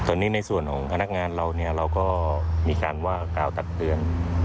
ตอนนี้ในส่วนของพนักงานเราเนี่ยเราก็มีการว่ากล่าวตักเตือน